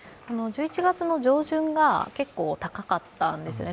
１１月の上旬が結構高かったんですね。